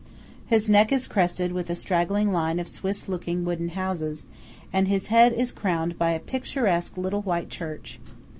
His neck is crested with a straggling line of Swiss looking wooden houses, and his head is crowned by a picturesque little white church.